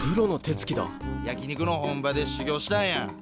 焼き肉の本場でしゅぎょうしたんや。